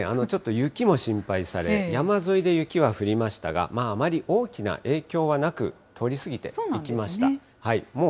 ちょっと雪も心配され、山沿いで雪は降りましたが、まあ、あまり大きな影響はなく、通り過ぎていきました。